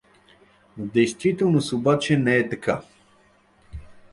В действителност, обаче, не е така.